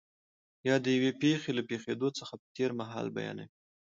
یا د یوې پېښې له پېښېدو څخه په تېر مهال بیانوي.